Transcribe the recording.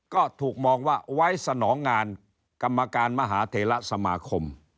ก็ถูกมองว่าไว้สนองงานกรรมการมหาเทระสมาคม